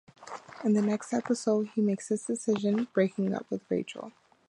In the next episode he makes his decision, breaking up with Rachel.